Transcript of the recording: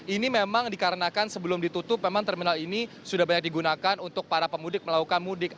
ini memang dikarenakan sebelum ditutup memang terminal ini sudah banyak digunakan untuk para pemudik melakukan mudik